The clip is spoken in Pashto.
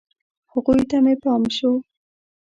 هغوی ته مې پام شو.